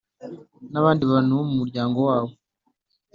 n’abandi bantu bo mu muryango wabo